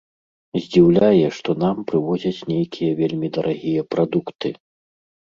Здзіўляе, што нам прывозяць нейкія вельмі дарагія прадукты.